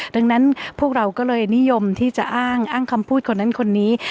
ดังนั้นพวกเราก็เลยนิยมที่จะอ้างอ้างคำพูดคนนั้นคนนี้